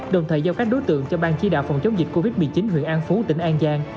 đồng thời giao các đối tượng cho bang chỉ đạo phòng chống dịch covid một mươi chín huyện an phú tỉnh an giang